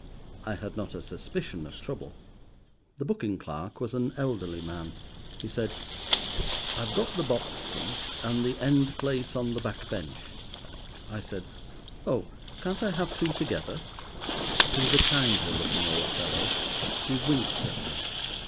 I had not a suspicion of trouble. The booking clerk was an elderly man. He said— "I've got the box seat, and the end place on the back bench." I said— "Oh, can't I have two together?" He was a kindly looking old fellow. He winked at me.